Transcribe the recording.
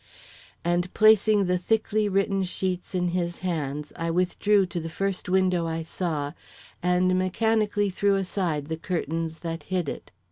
And placing the thickly written sheets in his hands I withdrew to the first window I saw and mechanically threw aside the curtains that hid it.